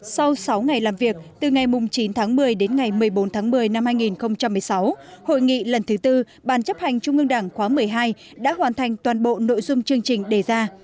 sau sáu ngày làm việc từ ngày chín tháng một mươi đến ngày một mươi bốn tháng một mươi năm hai nghìn một mươi sáu hội nghị lần thứ tư bàn chấp hành trung ương đảng khóa một mươi hai đã hoàn thành toàn bộ nội dung chương trình đề ra